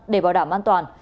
để bảo đảm an toàn